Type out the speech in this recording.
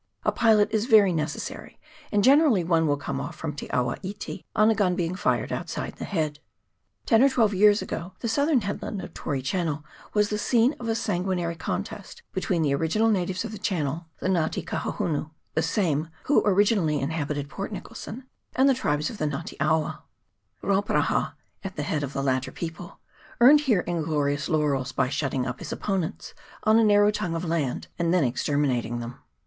A pilot is very necessary, and generally one will come off from Te awa iti on a gun being fired outside the head. Ten or twelve years ago the southern headland of Tory Channel was the scene of a sanguinary contest between the original natives of the channel, VOL. i. H 98 ISLAND OF ARAPAOA. [PART I. the Nga te Kahohunu, the same who originally inhabited Port Nicholson, and the tribes of the Nga te awa. Rauparaha, at the head of the latter people, earned here inglorious laurels by shutting up his opponents on a narrow tongue of land, and then exterminating them.